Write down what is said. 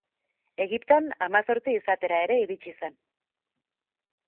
Egipton, hamazortzi izatera ere iritsi zen.